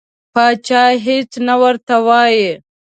پاچا هیڅ نه ورته وایي.